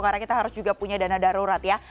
karena kita harus juga punya dana darurat ya